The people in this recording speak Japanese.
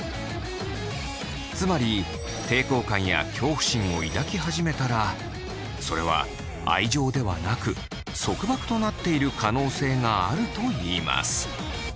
つまり抵抗感や恐怖心を抱き始めたらそれは愛情ではなく束縛となっている可能性があるといいます。